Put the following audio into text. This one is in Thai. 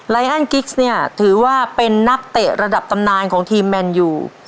แอนกิ๊กซ์เนี่ยถือว่าเป็นนักเตะระดับตำนานของทีมแมนยู